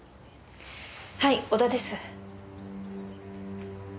はい織田です。